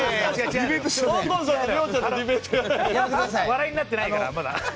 笑いになってないからまだ。